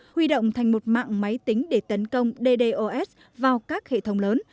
huy động thành một mạng máy tính để tấn công ddos vào các hệ thống lớn